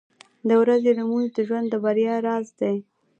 • د ورځې لمونځ د ژوند د بریا راز دی.